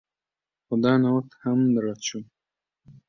خو دا نوښت هم رد شو